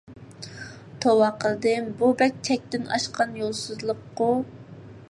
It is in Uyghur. توۋا قىلدىم. بۇ بەك چەكتىن ئاشقان يولسىزلىققۇ؟